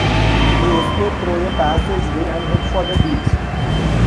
They escape through a passageway and head for the beach.